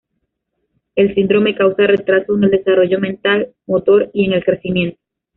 El síndrome causa retraso en el desarrollo mental, motor y en el crecimiento.